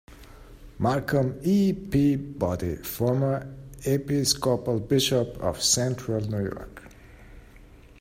Malcolm E. Peabody, former Episcopal Bishop of Central New York.